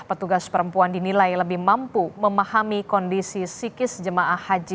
petugas perempuan dinilai lebih mampu memahami kondisi psikis jemaah haji